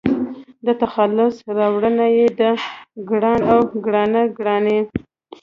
د تخلص راوړنه يې د --ګران--او --ګرانه ګراني